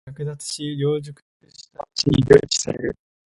略奪し、凌辱したのちに留置される。